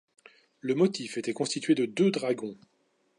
Le motif était constitué de deux dragons.